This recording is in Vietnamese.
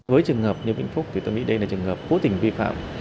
với trường hợp như vĩnh phúc thì tôi nghĩ đây là trường hợp cố tình vi phạm